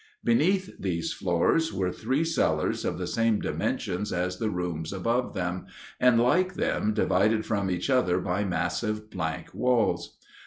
Beneath these floors were three cellars of the same dimensions as the rooms above them, and, like them, divided from each other by massive blank walls.